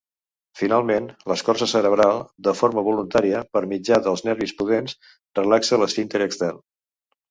Finalment, l'escorça cerebral, de forma voluntària, per mitjà dels nervis pudents, relaxa l'esfínter extern.